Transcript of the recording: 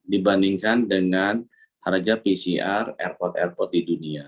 dibandingkan dengan harga pcr airport airport di dunia